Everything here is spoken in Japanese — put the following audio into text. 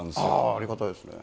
ありがたいですね。